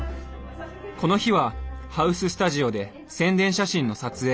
この日はハウススタジオで宣伝写真の撮影。